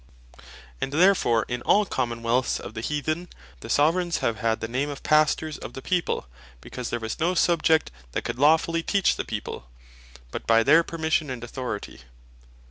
And therefore in all Common wealths of the Heathen, the Soveraigns have had the name of Pastors of the People, because there was no Subject that could lawfully Teach the people, but by their permission and authority.